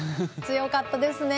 強かったですね。